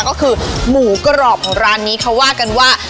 ก็คือหมูกรอบของร้านนี้เขาว่ากันว่า